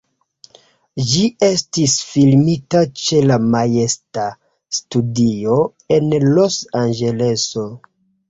Ĝi estis filmita ĉe la Majesta Studio en Los-Anĝeleso.